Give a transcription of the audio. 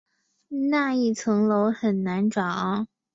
那一层楼很难找